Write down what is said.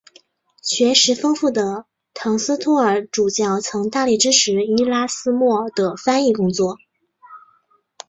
学识丰富的滕斯托尔主教曾大力支持伊拉斯谟的翻译工作。